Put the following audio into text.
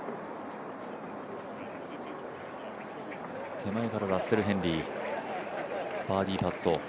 手前からラッセル・ヘンリーバーディーパット。